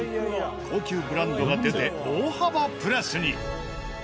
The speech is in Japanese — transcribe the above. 高級ブランドが出て大幅プラスに！